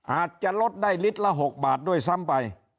อาจจะลดได้ลิตรละ๖บาทด้วยซ้ำไป